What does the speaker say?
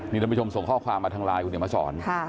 นี่ท่านผู้ชมส่งข้อความมาทางไลน์คุณเดี๋ยวมาสอน